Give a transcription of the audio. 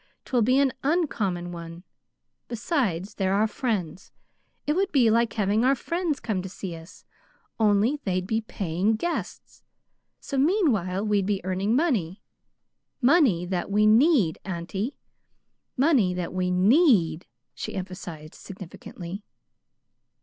'Twill be an uncommon one. Besides, they're our friends. It would be like having our friends come to see us; only they'd be PAYING guests, so meanwhile we'd be earning money money that we NEED, auntie, money that we need," she emphasized significantly.